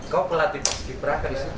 kau pelatih pas kibra di situ